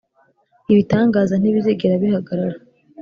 ibitangaza ntibizigera bihagarara